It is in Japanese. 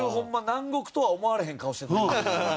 南国とは思われへん顔してた。